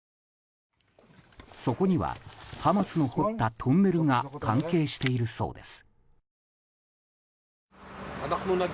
そこには、ハマスの掘ったトンネルが関係しているそうです。